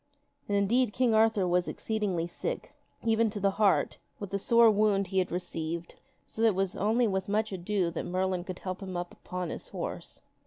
And indeed King Arthur was exceeding sick, even to the heart, with the sore wound he had received, so that it was only with much ado that Merlin could help him up upon his horse.